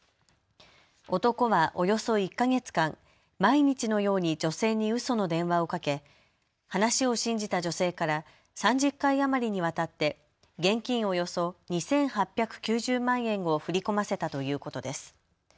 男はおよそ１か月間、毎日のように女性にうその電話をかけ、話を信じた女性から３０回余りにわたって現金およそ２８９０万円を振り込ませたということです。